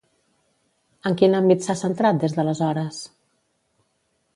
En quin àmbit s'ha centrat, des d'aleshores?